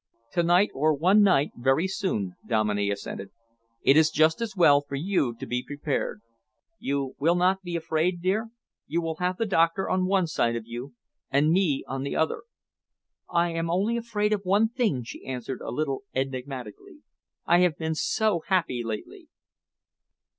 "To night, or one night very soon," Dominey assented. "It is just as well for you to be prepared. You will not be afraid, dear? You will have the doctor on one side of you and me on the other." "I am only afraid of one thing," she answered a little enigmatically. "I have been so happy lately."